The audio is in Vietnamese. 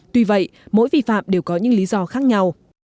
tuy vậy mỗi vi phạm đều có những lý do khác nhau